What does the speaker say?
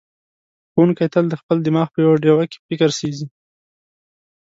ښوونکی تل د خپل دماغ په ډیوه کې فکر سېځي.